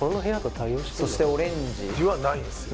そしてオレンジはないんですよ